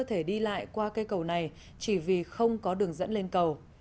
thể đi lại qua cây cầu này chỉ vì không có đường dẫn lên cầu